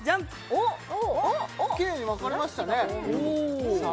おっきれいに分かれましたねさあ